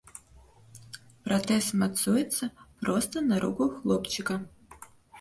Пратэз мацуецца проста на руку хлопчыка.